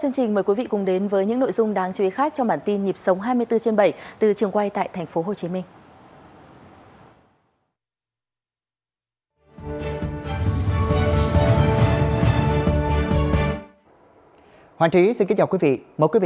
nội dung đáng chú ý khác trong bản tin nhịp sống hai mươi bốn trên bảy từ trường quay tại tp hcm